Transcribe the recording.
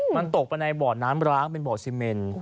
มันตกไปในบ่อน้ำร้างเป็นบ่อซีเมน